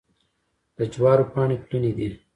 د جوارو پاڼې پلنې دي.